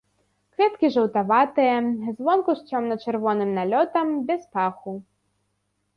Кветкі жаўтаватыя, звонку з цёмна-чырвоным налётам, без паху.